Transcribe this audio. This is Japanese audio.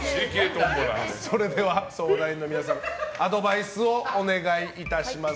それでは相談員の皆さんアドバイスをお願いします。